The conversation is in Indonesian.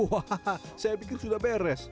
hahaha saya pikir sudah beres